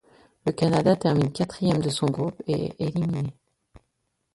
Le Canada termine quatrième de son groupe et est éliminé.